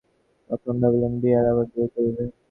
রাজলক্ষ্মী ভাবিলেন, বিহারী আবার বিয়ে করিবে!